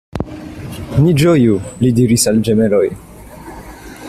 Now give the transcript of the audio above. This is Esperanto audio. Ni ĝoju, li diris al ĝemeloj.